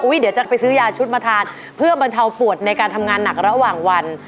เดี๋ยวจะไปซื้อยาชุดมาทานเพื่อบรรเทาปวดในการทำงานหนักระหว่างวัน